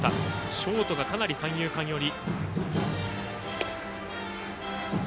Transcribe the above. ショートがかなり三遊間寄り。